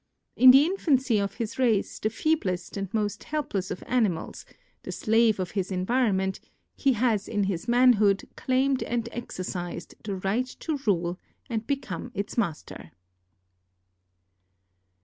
In the infancy of his race the feeblest and most helpless of animals, the slave of his en vironment, he has in his manhood claimed and exercised the right to rule and become its master.